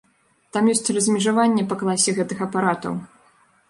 Там ёсць размежаванне па класе гэтых апаратаў.